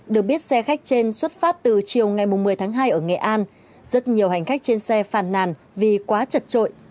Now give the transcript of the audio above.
được biết xe khách trên xuất phát từ chiều ngày một mươi tháng hai ở nghệ an rất nhiều hành khách trên xe phàn nàn vì quá chật trội